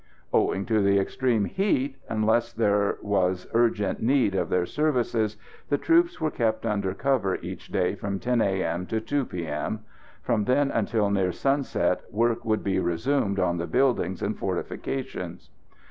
Owing to the extreme heat, unless there was urgent need of their services, the troops were kept under cover each day from 10 A.M. to 2 P.M. From then until near sunset work would be resumed on the buildings and fortifications.